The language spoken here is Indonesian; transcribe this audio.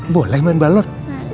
boleh main balon